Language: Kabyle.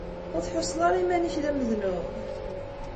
Ur tḥusseḍ ara iman-ik d amednub?